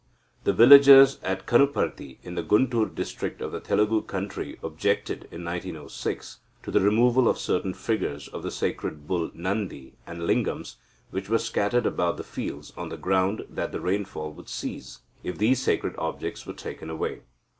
The villagers at Kanuparti in the Guntur district of the Telugu country objected, in 1906, to the removal of certain figures of the sacred bull Nandi and lingams, which were scattered about the fields, on the ground that the rainfall would cease, if these sacred objects were taken away.